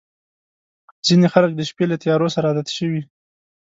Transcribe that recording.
• ځینې خلک د شپې له تیارو سره عادت شوي.